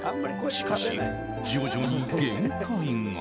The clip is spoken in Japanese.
しかし、徐々に限界が。